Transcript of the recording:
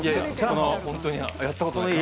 本当にやったことない。